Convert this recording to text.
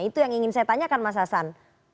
itu yang ingin saya tanyakan mas hasan